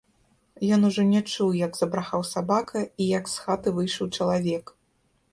Ён ужо не чуў, як забрахаў сабака і як з хаты выйшаў чалавек.